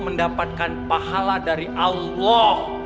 mendapatkan pahala dari allah